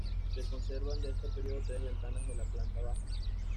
Se conservan de este período tres ventanas de la planta baja.